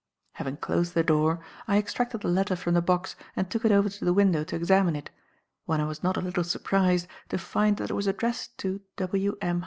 Having closed the door, I extracted the letter from the box and took it over to the window to examine it, when I was not a little surprised to find that it was addressed to W. M.